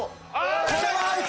これはアウト！